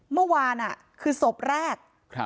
เมื่อวานคือศพแรก